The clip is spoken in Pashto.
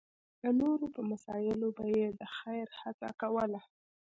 د نورو په مسایلو به یې د خېر هڅه کوله.